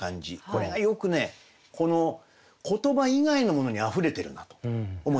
これがよくね言葉以外のものにあふれてるなと思います。